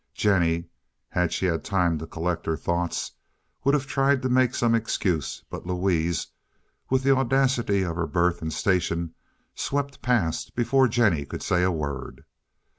Jennie, had she had time to collect her thoughts, would have tried to make some excuse, but Louise, with the audacity of her birth and station, swept past before Jennie could say a word.